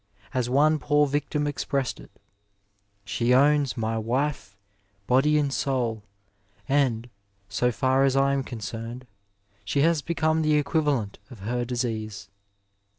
As one poor victim expressed it, '^ She owns my wife body and soul, and, so far as I am concerned, she has become the equivalent of her disease.